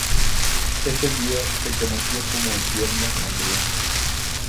Ese día se conoció como el "Viernes sangriento".